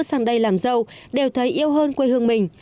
ai làm giàu đều thấy yêu hơn quê hương mình